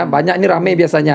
banyak ini rame biasanya